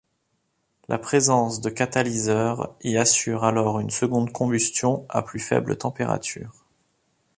La présence de catalyseurs y assure alors une seconde combustion à plus faible température.